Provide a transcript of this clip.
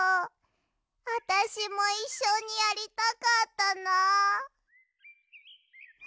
あたしもいっしょにやりたかったなはあ。